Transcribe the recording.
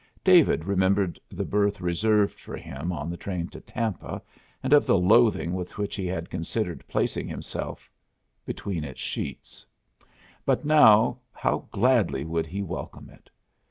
David remembered the berth reserved for him on the train to Tampa and of the loathing with which he had considered placing himself between its sheets. But now how gladly would he welcome it!